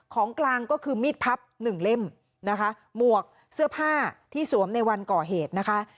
ของกลางก็คือมีดพับหนึ่งเล่มนะคะหมวกเสื้อผ้าที่สวมในวันก่อเหตุนะคะ